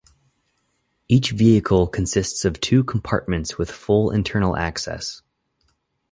Each vehicle consists of two compartments with full internal access.